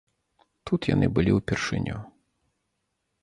Тут яны былі ўпершыню.